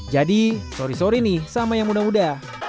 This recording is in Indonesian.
jadi sorry sorry nih sama yang muda muda